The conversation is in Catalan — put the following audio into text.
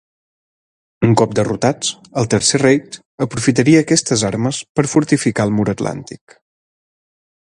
Un cop derrotats, el Tercer Reich aprofitaria aquestes armes per fortificar el Mur Atlàntic.